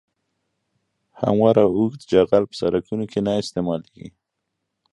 هموار او اوږد جغل په سرکونو کې نه استعمالیږي